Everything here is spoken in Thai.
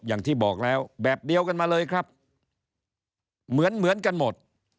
อย่างที่บอกแล้วแบบเดียวกันมาเลยครับเหมือนเหมือนกันหมด